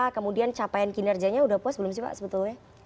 kemudian capaian kinerjanya sudah puas belum sih pak sebetulnya